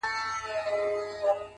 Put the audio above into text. هره ستونزه د حل تخم لري!.